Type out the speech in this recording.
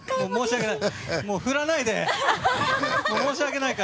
申し訳ない。